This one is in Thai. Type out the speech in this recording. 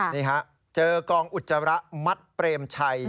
นี่ฮะเจอกองอุจจาระมัดเปรมชัย